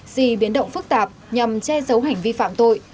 di biến động phức tạp nhằm che giấu hành vi phạm tội